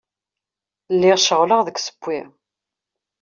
Lliɣ ceɣleɣ deg usewwi.